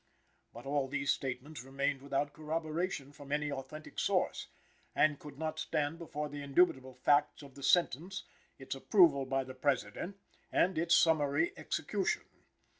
But all these statements remained without corroboration from any authentic source, and could not stand before the indubitable facts of the sentence, its approval by the President, and its summary execution.